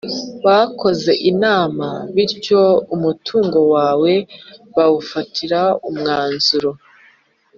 bakoze inama bityo umutungo wawo bawufatira umwanzuro